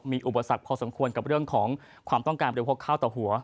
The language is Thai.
มีอุปสรรคพอสมควรกับความต้องการบริทวภาพข้าวต่อหัว